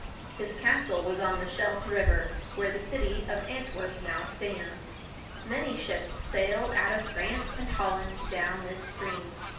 His castle was on the Scheldt River, where the city of Antwerp now stands. Many ships sailed out of France and Holland, down this stream.